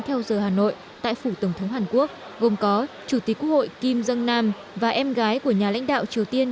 theo giờ hà nội tại phủ tổng thống hàn quốc gồm có chủ tịch quốc hội kim dân nam và em gái của nhà lãnh đạo triều tiên